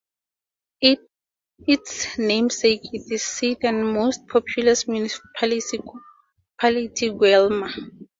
Its namesake is its seat and most populous municipality: Guelma.